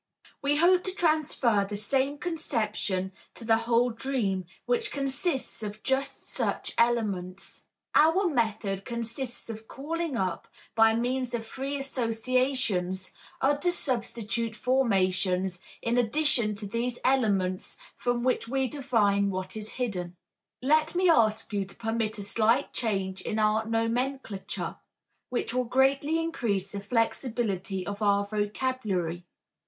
We hope to transfer the same conception to the whole dream, which consists of just such elements. Our method consists of calling up, by means of free associations, other substitute formations in addition to these elements, from which we divine what is hidden. Let me ask you to permit a slight change in our nomenclature which will greatly increase the flexibility of our vocabulary.